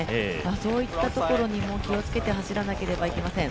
そういったところにも気をつけて走らなければいけません。